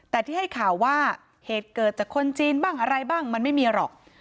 แต่ที่ให้ข่าวว่าเหตุเกิดจากคนจีนบ้างอะไรบ้างมันไม่มีหรอก